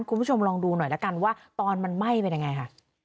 คุณผู้ชมลองดูหน่อยละกันว่าตอนมันไหม้เป็นยังไงค่ะ